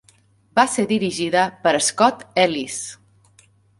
Va ser dirigida per Scott Ellis.